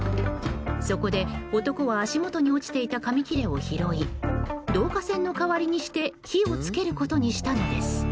そこで、男は足元に落ちていた紙切れを拾い導火線の代わりにして火をつけることにしたのです。